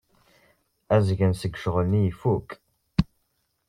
Azgen seg ccɣel-nni ifuk.